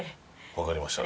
わかりました。